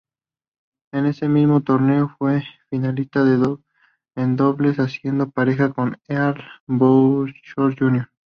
En ese mismo torneo fue finalista en dobles haciendo pareja con Earl Buchholz Jr.